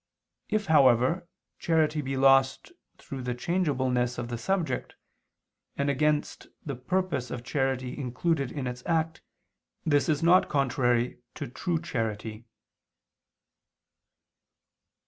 If, however, charity be lost through the changeableness of the subject, and against the purpose of charity included in its act, this is not contrary to true charity.